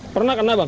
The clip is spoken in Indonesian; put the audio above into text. pernah kena bang